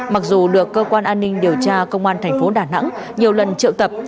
mặc dù được cơ quan an ninh điều tra công an thành phố đà nẵng nhiều lần triệu tập